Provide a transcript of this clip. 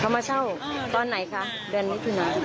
เขามาเช่าตอนไหนค่ะเดือนนี้ถึงนาน๕นาที